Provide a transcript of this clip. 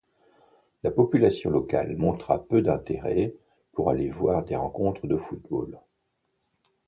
La population locale montra peu d’intérêt pour aller voir des rencontres de football.